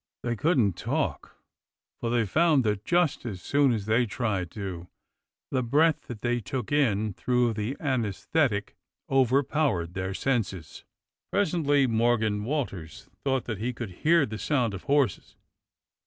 They couldn't talk, for they found that, just as soon as they tried to, the breath that they took in through the ansesthetic overpowered their senses. Pres ently INIorgan Walters thought that he could hear the sound of horses.